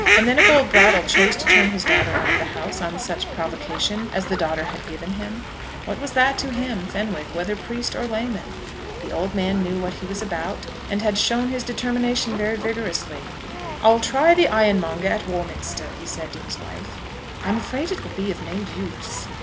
And then, if old Brattle chose to turn his daughter out of the house, on such provocation as the daughter had given him, what was that to him, Fenwick, whether priest or layman? The old man knew what he was about, and had shown his determination very vigorously. "I'll try the ironmonger at Warminster," he said, to his wife. "I'm afraid it will be of no use."